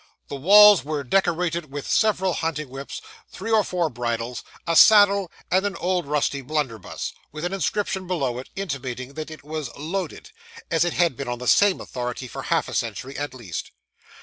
The walls were decorated with several hunting whips, two or three bridles, a saddle, and an old rusty blunderbuss, with an inscription below it, intimating that it was 'Loaded' as it had been, on the same authority, for half a century at least.